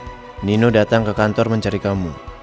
ayo nino datang ke kantor mencari kamu